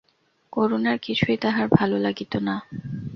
করুণার কিছুই তাহার ভালো লাগিত না।